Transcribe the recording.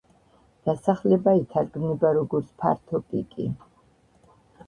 დასახელება ითარგმნება, როგორც „ფართო პიკი“.